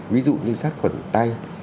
ví dụ như sát khuẩn tay